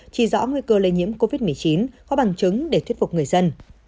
chỉ rõ nguy cơ lây nhiễm covid một mươi chín có bằng chứng để thuyết phục người dân